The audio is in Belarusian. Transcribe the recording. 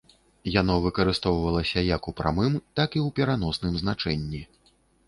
Яно выкарыстоўвалася як у прамым, так і ў пераносным значэнні.